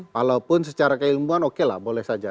walaupun secara keilmuan oke lah boleh saja